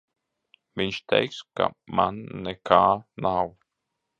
Viņš teiks, ka man nekā nav.